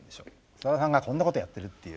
さださんがこんなことやってるっていう。